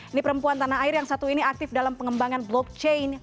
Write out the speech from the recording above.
ini perempuan tanah air yang satu ini aktif dalam pengembangan blockchain